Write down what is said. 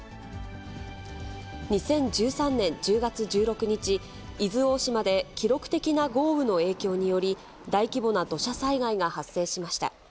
２０１３年１０月１６日、伊豆大島で記録的な豪雨の影響により、大規模な土砂災害が発生しました。